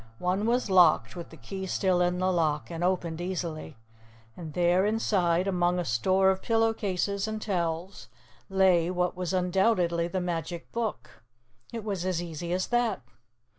One was locked, with the key still in the lock, and opened easily. And there, inside, among a store of pillow cases and towels, lay what was undoubtedly the Magic Book. It was as easy as that!